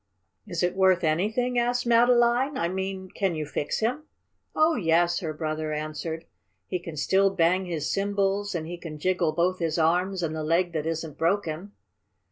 "Is it worth anything?" asked Madeline. "I mean can you fix him?" "Oh, yes," her brother answered. "He can still bang his cymbals, and he can jiggle both his arms and the leg that isn't broken."